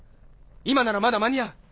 今ならまだ間に合う。